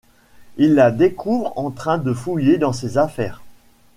Il la découvre en train de fouiller dans ses affaires.